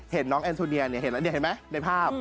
เห็นน้องแอธโนเนียนี่เห็นแล้วมั้ยในภาพ